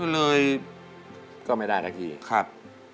เลยก็ไม่ได้ทักทีครับครับ